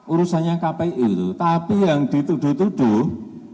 urusannya kpu itu tapi yang dituduh tuduh